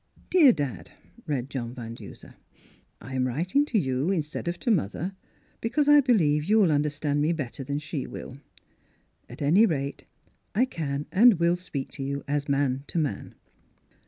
" Dear Dad, (read John Van Duser) I am writing to you instead of to mother because I believe you'll understand me bet ter than she will. At any rate, I can and will speak to you as man to man.